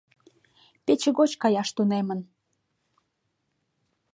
Пече гоч каяш тунемын.